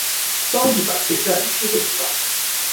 当地百姓占领市政府大楼。